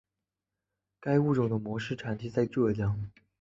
该物种的模式产地在浙江。